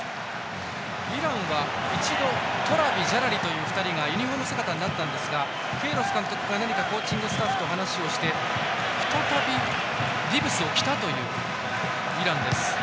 イランは一度、トラビジャラリという選手がユニフォーム姿になったんですがケイロス監督が何かコーティングスタッフと話をして再びビブスを着たというイラン。